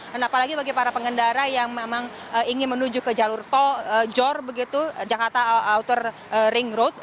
dan apalagi bagi para pengendara yang memang ingin menuju ke jalur tol jor begitu jakarta outer ring road